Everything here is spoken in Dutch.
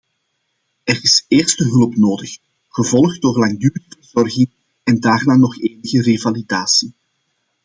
Er is eerste hulp nodig, gevolgd door langdurige verzorging en daarna nog enige revalidatie.